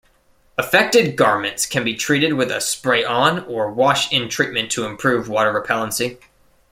Affected garments can be treated with a 'spray-on' or 'wash-in' treatment to improve water-repellency.